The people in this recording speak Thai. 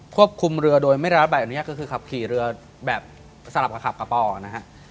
ควบคุมเรือโดยไม่ได้รับใบอนุญาตก็คือขับขี่เรือแบบสลับกับขับกระป๋อนะฮะ